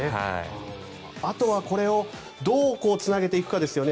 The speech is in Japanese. あとはこれをどうつなげていくかですよね。